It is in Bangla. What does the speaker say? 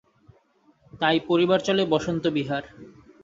তাই পরিবার চলে বসন্ত বিহার।